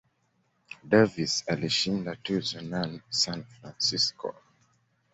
Davis alishinda tuzo nane San Francisco.